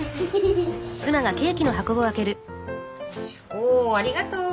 おありがとう。